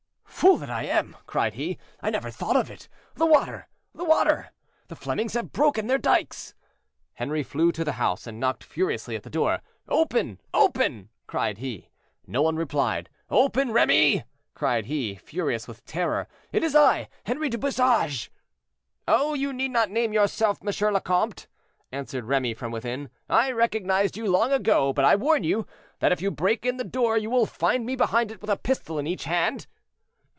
"Fool that I am," cried he, "I never thought of it. The water! the water! The Flemings have broken their dykes!" Henri flew to the house, and knocked furiously at the door. "Open! open!" cried he. No one replied. "Open, Remy!" cried he, furious with terror; "it is I, Henri du Bouchage." "Oh! you need not name yourself, M. le Comte," answered Remy from within, "I recognized you long ago; but I warn you, that if you break in the door you will find me behind it, with a pistol in each hand."